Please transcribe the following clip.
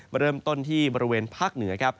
มาเริ่มต้นที่บริเวณภาคเหนือ